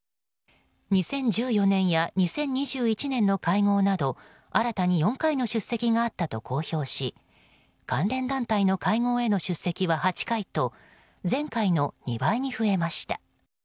２０１４年や２０２１年の会合など新たに４回の出席があったと公表し関連団体の会合への出席は８回と前回の２倍に増えました。